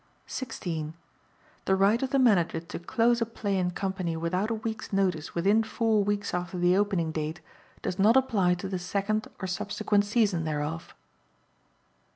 16. The right of the Manager to close a play and company without a week's notice within four weeks after the opening date does not apply to the second or subsequent season thereof.